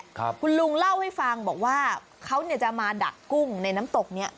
คุณลุงเล่าให้ฟังบอกว่าเขาเนี่ยจะมาดักกุ้งในน้ำตกเนี้ย